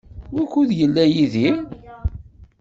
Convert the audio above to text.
Wukud yella Yidir?